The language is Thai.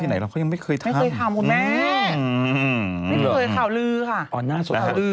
อ๋อหน้าสุดค่ะอ๋อลื้อ